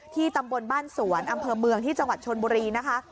ตำบลบ้านสวนอำเภอเมืองที่จังหวัดชนบุรีนะคะ